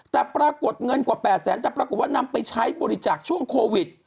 แต่ปรากฏเงินกว่า๘แสนแต่ปรากฏว่านำไปใช้บริจาคช่วงโควิด